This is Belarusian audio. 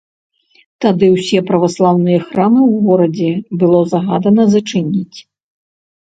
Тады ўсе праваслаўныя храмы ў горадзе было загадана зачыніць.